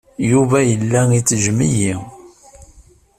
Yuba yella ittejjem-iyi.